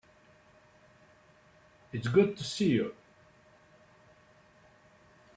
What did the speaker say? It's good to see you.